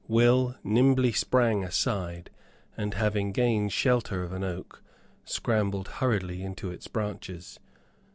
Will nimbly sprang aside, and having gained shelter of an oak, scrambled hurriedly into its branches.